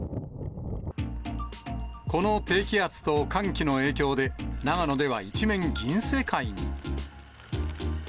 この低気圧と寒気の影響で、長野では一面、銀世界に。